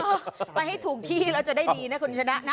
ไปให้ถูกที่แล้วจะได้ดีนะคุณชนะนะ